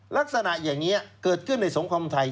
ลักษณะอย่างนี้เกิดขึ้นในสังคมไทย